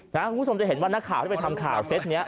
คุณผู้ชมจะเห็นว่านักข่าวที่ไปทำข่าวเซ็ตนี้